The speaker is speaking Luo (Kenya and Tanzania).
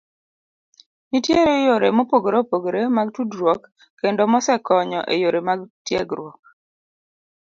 Nitiere yore mopogore opogore mag tudruok kendo mosekonyo e yore mag tiegruok.